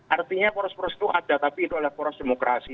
artinya poros poros itu ada tapi itu adalah poros demokrasi